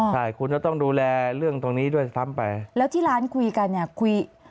ใช่คุณจะต้องดูแลเรื่องตรงนี้ด้วยซ้ำไปแล้วที่ร้านคุยกันเนี่ยคุย